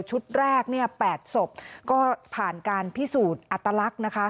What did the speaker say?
ชุดแรก๘ศพก็ผ่านการพิสูจน์อัตลักษณ์นะคะ